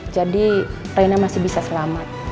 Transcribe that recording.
jadi reyna masih bisa selamat